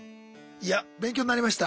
いや勉強になりました。